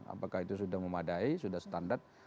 apakah itu sudah memadai sudah standar